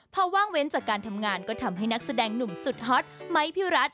พอว่างเว้นจากการทำงานก็ทำให้นักแสดงหนุ่มสุดฮอตไม้พี่รัฐ